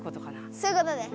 そういうことです。